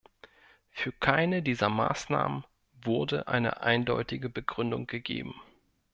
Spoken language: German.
Für keine dieser Maßnahmen wurde eine eindeutige Begründung gegeben.